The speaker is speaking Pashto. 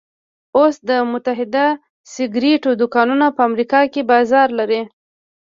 اوس د متحده سګرېټو دوکانونه په امريکا کې بازار لري.